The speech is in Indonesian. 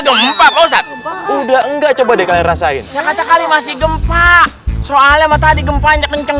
gempa udah nggak coba deh kalian rasain ya kata kali masih gempa soalnya matahari gempanya kenceng